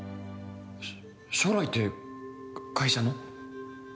将来って会社の？